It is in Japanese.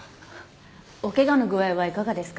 お怪我の具合はいかがですか？